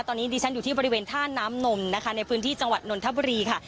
ตอนนี้ดิฉันอยู่ที่บริเวณท่าน้ำนมนะคะในพื้นที่จังหวัดนนทบุรีค่ะ